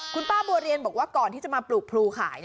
คุณป้าบัวเรียนบอกว่าก่อนที่จะมาปลูกพลูขาย